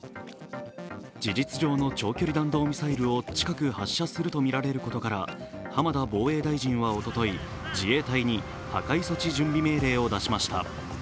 事実上の長距離弾道ミサイルを近く発射するとみられることから、浜田防衛大臣はおととい、自衛隊に破壊措置準備命令を出しました。